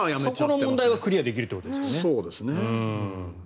そこの問題はクリアできるということですよね。